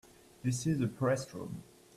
This is the Press Room.